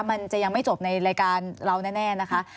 มันจะยังไม่จบในรายการเราแน่นะคะ